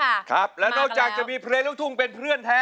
รายการเกมชอสำหรับคนที่มีเพลงลุกทุ่งเป็นเพื่อนแท้ค่ะ